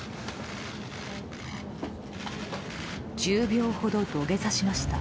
１０秒ほど土下座しました。